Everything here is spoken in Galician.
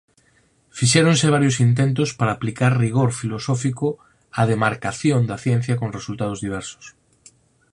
Fixéronse varios intentos para aplicar rigor filosófico á demarcación da ciencia con resultados diversos.